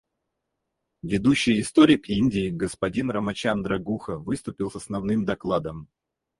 Ведущий историк Индии, господин Рамачандра Гуха, выступил с основным докладом.